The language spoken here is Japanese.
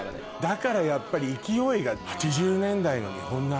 だからやっぱり勢いが８０年代の日本のアイドルだよ。